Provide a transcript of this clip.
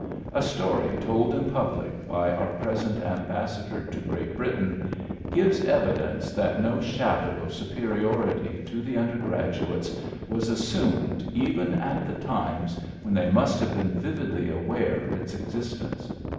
A story told in public by our present ambassador to Great Britain gives evidence that no shadow of superiority to the undergrad uates was assumed even at the times when they must have been vividly aware of its existence.